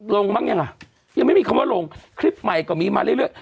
ลงบ้างยังอ่ะยังไม่มีคำว่าลงคลิปใหม่ก็มีมาเรื่อย